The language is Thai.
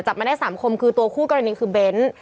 จับมาได้๓คนคือตัวคู่กรณีนี้คือเบนส์